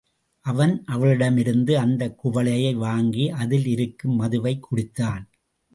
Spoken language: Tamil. அவன் அவளிடமிருந்து அந்தக் குவளையை வாங்கி அதில் இருந்த மதுவைக் குடித்தான்.